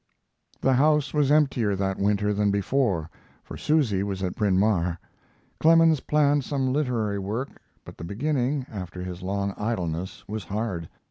The house was emptier that winter than before, for Susy was at Bryn Mawr. Clemens planned some literary work, but the beginning, after his long idleness, was hard.